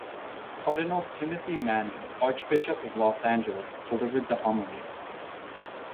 Cardinal Timothy Manning, Archbishop of Los Angeles delivered the homily.